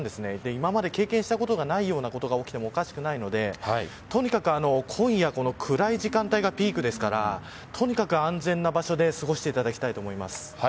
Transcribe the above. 今まで経験したことがないような事が起きてもおかしくないのでとにかく今夜暗い時間帯がピークですからとにかく安全な場所で過ごしていただきたいと思います。